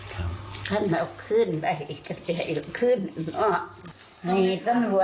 แล้วมันรับโทษตัว